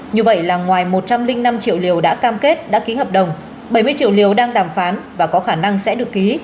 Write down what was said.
như vậy là ngoài một trăm linh năm triệu liều đã cam kết đã ký hợp đồng bảy mươi triệu liều đang đàm phán và có khả năng sẽ được ký